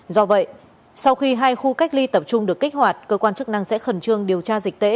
do vậy sau khi hai khu cách ly tập trung được kích hoạt cơ quan chức năng sẽ khẩn trương điều tra dịch tễ